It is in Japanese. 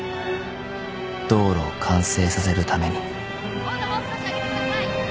［道路を完成させるために］